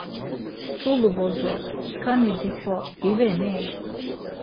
Tzulu bozo, skani dixo iveni?